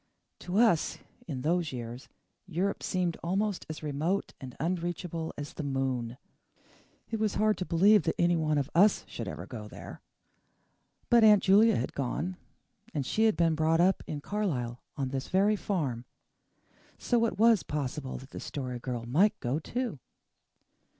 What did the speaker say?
To us, in those years, Europe seemed almost as remote and unreachable as the moon. It was hard to believe that one of US should ever go there. But Aunt Julia had gone and SHE had been brought up in Carlisle on this very farm. So it was possible that the Story Girl might go too.